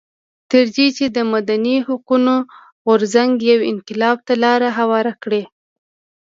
تر دې چې د مدني حقونو غورځنګ یو انقلاب ته لار هواره کړه.